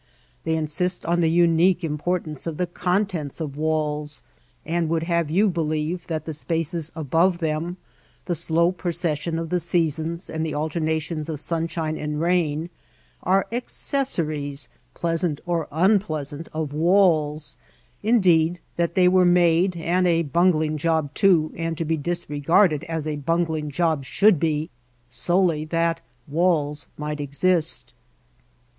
They insist on the unique importance of the contents of walls and would have you be lieve that the spaces above them, the slow pro cession of the seasons and the alternations of sunshine and rain, are accessories, pleasant or unpleasant, of walls, — indeed that they were made, and a bungling job, too, and to be disre garded as a bungling job should be, solely that walls might exist.